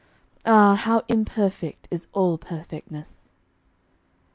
Ah, how imperfect is all Perfectness!